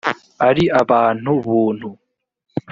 ari abantu buntu